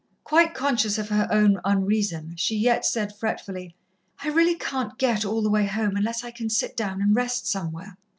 Quite conscious of her own unreason, she yet said fretfully: "I really can't get all the way home, unless I can sit down and rest somewhere."